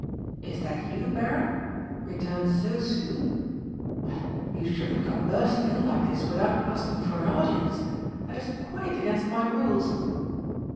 Is that you, Baron? Returned so soon? But you shouldn't come bursting in like this without asking for an audience. That is quite against my rules!"